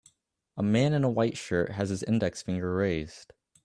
A man in a white shirt has his index finger raised